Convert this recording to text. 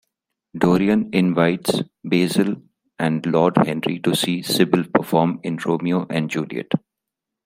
Dorian invites Basil and Lord Henry to see Sibyl perform in "Romeo and Juliet".